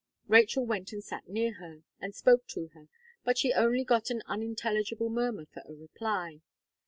Rachel went and sat near her, and spoke to her, but she only got an unintelligible murmur for a reply.